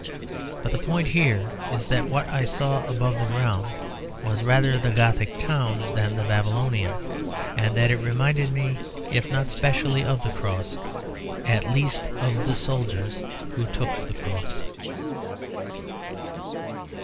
But the point here is that what I saw above ground was rather the Gothic town than the Babylonian; and that it reminded me, if not specially of the cross, at least of the soldiers who took the cross.